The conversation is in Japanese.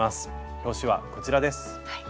表紙はこちらです。